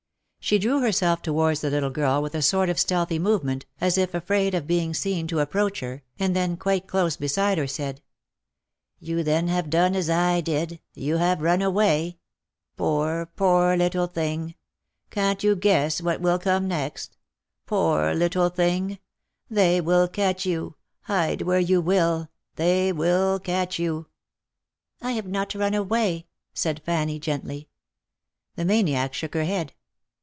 She drew herself towards the little girl with a sort of stealthy movement, as if afraid of being seen to approach her, and when quite close beside her, said, " You then have done as I did— you have run away ? Poor, poor 272 THE LIFE AND ADVENTURES little thing ! Can't you guess what will come next ? Poor little thing ! They will catch you ! hide where you will, they will catch you." " I have not run away," said Fanny, gently. The maniac shook her head.